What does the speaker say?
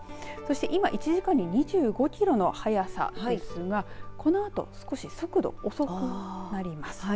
今、１時間に２５キロの速さですがこのあと少し速度が遅くなります。